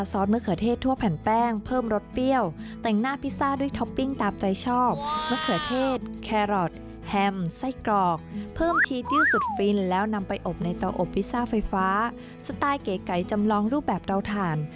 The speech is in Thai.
สไตล์เก๋จำลองรูปแบบเราถ่าน